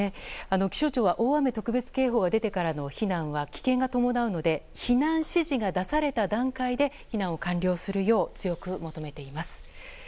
気象庁は大雨特別警報が出てからの避難は危険が伴うので避難指示が出された段階で避難を完了するよう強く求めています。